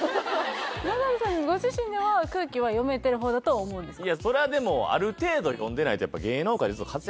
ナダルさんご自身では空気は読めてる方だと思うんですか？